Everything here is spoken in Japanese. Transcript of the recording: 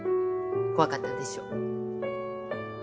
怖かったでしょう？